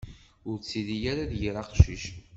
Ur ttili ara d yir aqcic.